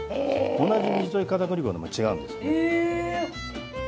同じ水溶き片栗粉でも違うんです。